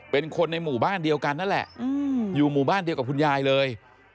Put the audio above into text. เป็นคนในหมู่บ้านเดียวกันนั่นแหละอยู่หมู่บ้านเดียวกับคุณยายเลย